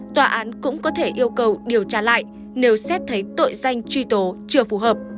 tòa án cũng có thể yêu cầu điều tra lại nếu xét thấy tội danh truy tố chưa phù hợp